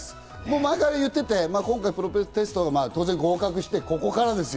前から言ってて、今回プロテスト、当然合格して、ここからですよ。